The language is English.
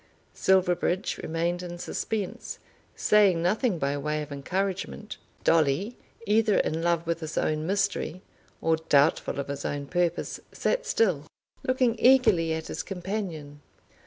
Silverbridge remained in suspense, saying nothing by way of encouragement. Dolly, either in love with his own mystery or doubtful of his own purpose, sat still, looking eagerly at his companion.